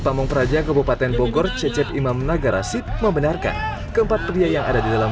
pamungperaja kebupaten bogor cecep imam nagara sip membenarkan keempat pria yang ada di dalam